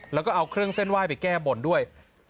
แล้วก็เอาเครื่องเส้นไหว้ไปแก้บนด้วย